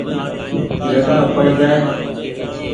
جگآ پڙ جآئي۔